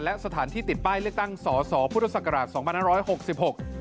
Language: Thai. และสถานที่ติดป้ายเลือกตั้งสสพุทธศักราช๒๑๖๖